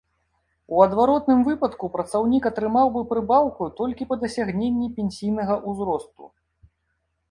У адваротным выпадку працаўнік атрымаў бы прыбаўку толькі па дасягненні пенсійнага ўзросту.